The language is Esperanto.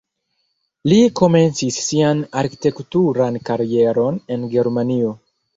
Li komencis sian arkitekturan karieron en Germanio.